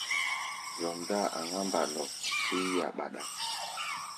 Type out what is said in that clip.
Zɔm-dáa aŋá mbandɔ é yí-a ɓaɗak.